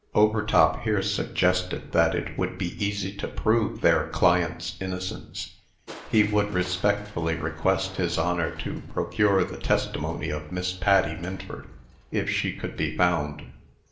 Overtop here suggested that it would be easy to prove their client's innocence. He would respectfully request his Honor to procure the testimony of Miss Patty Minford, if she could be found.